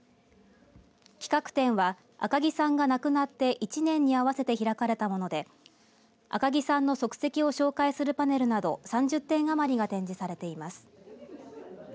企画展は、赤木さんが亡くなって１年にあわせて開かれたもので赤木さんの足跡を紹介するパネルなど３０点余りが展示されています。